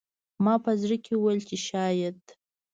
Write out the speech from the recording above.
ما په زړه کې وویل چې شاید